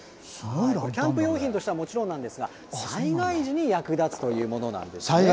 キャンプ用品としてはもちろんなんですが、災害時に役立つというものなんですね。